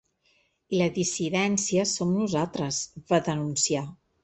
I la dissidència som nosaltres, va denunciar.